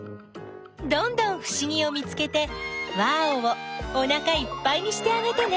どんどんふしぎを見つけてワーオ！をおなかいっぱいにしてあげてね！